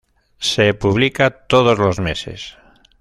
Se publica todos los meses.